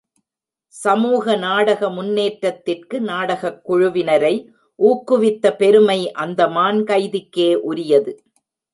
சமூக நாடக முன்னேற்றத்திற்கு நாடகக் குழுவினரை ஊக்குவித்த பெருமை அந்தமான் கைதிக்கே உரியது.